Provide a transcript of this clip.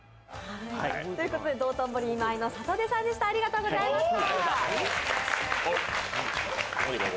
道頓堀今井の里出さんでした、ありがとうございました。